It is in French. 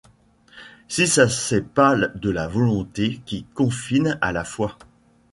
Si ça c'est pas de la volonté qui confine à la foi.